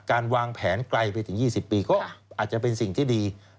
การวางแผนไกลไปถึง๒๐ปีก็อาจจะเป็นสิ่งที่ดี